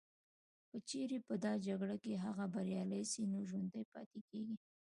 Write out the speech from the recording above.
که چیري په دا جګړه کي هغه بریالي سي نو ژوندي پاتیږي